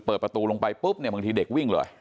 เปิดประตูลงไปปุ๊บเนี่ยบางทีเด็กวิ่งเลย